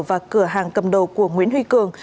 và cửa hàng cầm đồ của nguyễn huy cường